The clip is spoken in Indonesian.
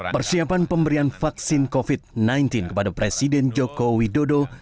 persiapan pemberian vaksin covid sembilan belas kepada presiden joko widodo